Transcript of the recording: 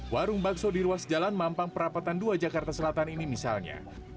warung bakso di ruas jalan mampang perapatan dua jakarta selatan ini misalnya